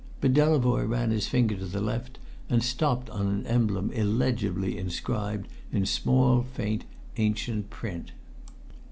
But Delavoye ran his finger to the left, and stopped on an emblem illegibly inscribed in small faint ancient print.